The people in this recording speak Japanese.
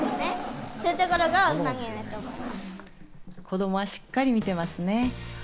子供はしっかり見てますね。